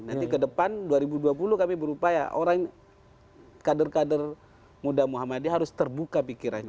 nanti ke depan dua ribu dua puluh kami berupaya orang kader kader muda muhammadiyah harus terbuka pikirannya